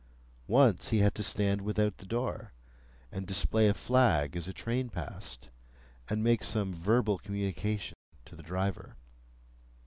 Once he had to stand without the door, and display a flag as a train passed, and make some verbal communication to the driver.